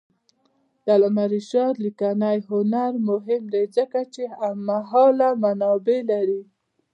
د علامه رشاد لیکنی هنر مهم دی ځکه چې هممهاله منابع لري.